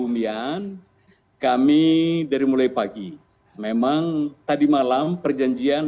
untuk semua bagaimana yang anda tuh per identity